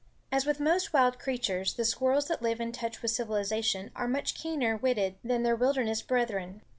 As with most wild creatures, the squirrels that live in touch with civilization are much keener witted than their wilderness brethren.